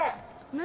何？